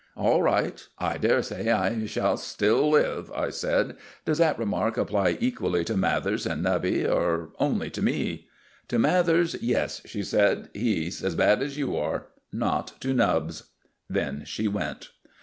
"All right. I dare say I shall still live," I said. "Does that remark apply equally to Mathers and Nubby, or only to me?" "To Mathers, yes," she said. "He's as bad as you are. Not to Nubbs." Then she went.